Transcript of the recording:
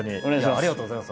ありがとうございます。